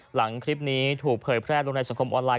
หลังคลิปนี้ถูกเผยแพร่ลงในสังคมออนไลน